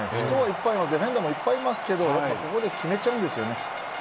ディフェンダーもいっぱいいますけどここで決めちゃうんですよね。